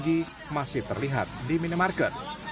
tidak sampai sekarang